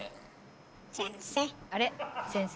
先生。